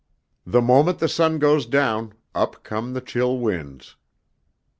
The moment the sun goes down, up come the chill winds.